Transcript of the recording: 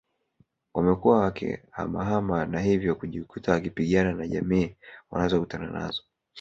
Wamekuwa wakihamahama na hivyo kujikuta wakipigana na jamii wanazokutana nazo